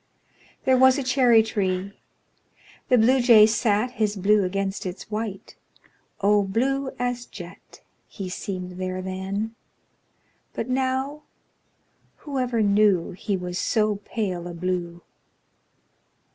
There was a cherry tree. The Bluejay sat His blue against its white O blue as jet He seemed there then! But now Whoever knew He was so pale a blue!